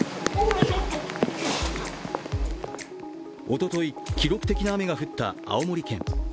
おととい、記録的な雨が降った青森県。